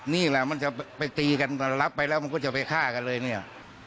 นี่แหละมันจะไปตีกันรับไปแล้วมันก็จะไปฆ่ากันเลยเนี่ย